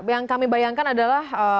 yang kami bayangkan adalah